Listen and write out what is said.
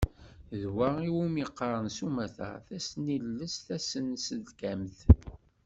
D wa iwumi qqaren s umata: Tasnilest tasenselkamt.